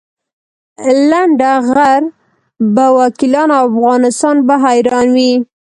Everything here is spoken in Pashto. لنډه غر به وکیلان او افغانستان به حیران وي.